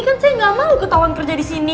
kan saya gak mau ketauan kerja di sini